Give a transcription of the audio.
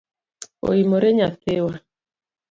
Oimore nyathiwa?